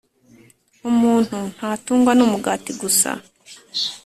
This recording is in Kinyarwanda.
umuntu ntatungwa n umugati gusa